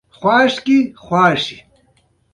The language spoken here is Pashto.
د غیر عادلانه قوانینو پایله ډېره ملموسه ده.